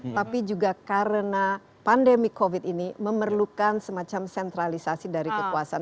tapi juga karena pandemi covid ini memerlukan semacam sentralisasi dari kekuasaan